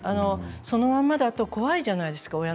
そのままだと怖いじゃないですか